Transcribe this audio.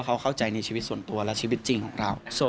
เขาเข้าใจในชีวิตส่วนตัวและชีวิตจริงของเรา